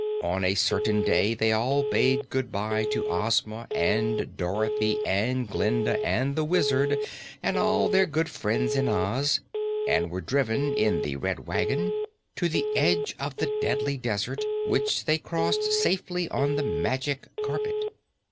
On a certain day they all bade good bye to Ozma and Dorothy and Glinda and the Wizard and all their good friends in Oz, and were driven in the Red Wagon to the edge of the Deadly Desert, which they crossed safely on the Magic Carpet.